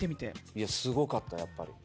いやすごかったやっぱり。